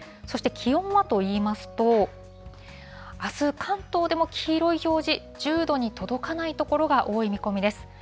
そして気温はといいますと、あす、関東でも黄色い表示、１０度に届かない所が多い見込みです。